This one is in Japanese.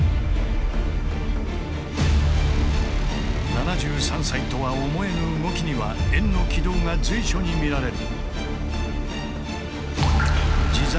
７３歳とは思えぬ動きには円の軌道が随所に見られる。